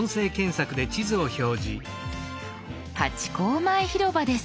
ハチ公前広場です。